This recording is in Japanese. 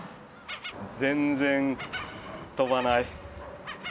全然、飛ばない。